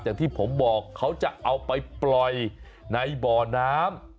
อย่างที่ผมบอกเขาจะเอาไปปล่อยในบ่อน้ำ